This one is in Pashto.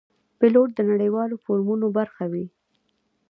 پیلوټ د نړیوالو فورمونو برخه وي.